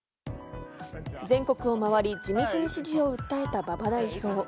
全国を回り、地道に支持を訴えた馬場代表。